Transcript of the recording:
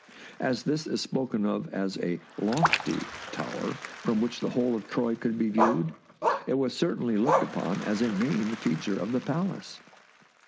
As this is spoken of as a " lofty ' tower, from which the whole of Troy could be viewed, it was certainly looked upon as a main feature of the palace.